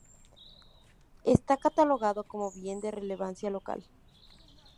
Está catalogado como Bien de Relevancia Local.